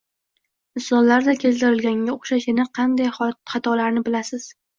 Misollarda keltirilganga oʻxshash yana qanday xatolarni bilasiz